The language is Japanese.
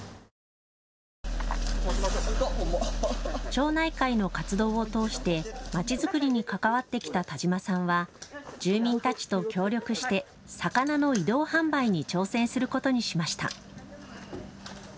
町内会の活動を通してまちづくりに関わってきた田島さんは住民たちと協力して魚の移動販売に挑戦することにしました。